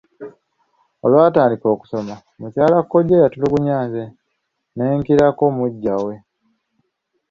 Olwatandika okusoma, mukyala kkojja yatulugunya nze ne nkirako muggya we.